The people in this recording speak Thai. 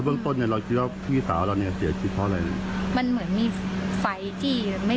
น้องได้เข้าไปดูแล้วจริงไหม